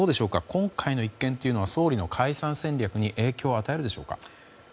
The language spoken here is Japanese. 今回の一件というのは総理の解散戦略に影響を与えるでしょうか。